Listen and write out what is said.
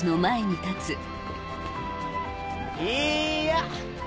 いや！